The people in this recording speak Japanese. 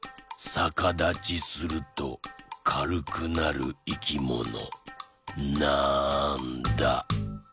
さかだちするとかるくなるいきもの？